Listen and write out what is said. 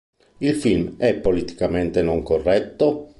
Il film è politicamente non corretto?